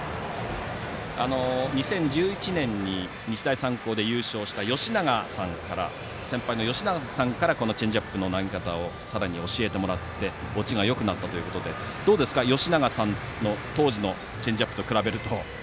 ２０１１年に日大三高で優勝した先輩の吉永さんからこのチェンジアップの投げ方を教えてもらって落ちがよくなったということでどうですか、吉永さんの当時のチェンジアップと比べて。